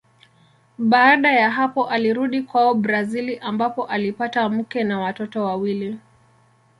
Baada ya hapo alirudi kwao Brazili ambapo alipata mke na watoto wawili.